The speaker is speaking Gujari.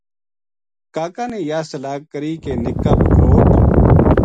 کاکا نے یاہ صلاح کری کہ نِکا بکروٹ